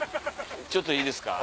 ちょっといいですか？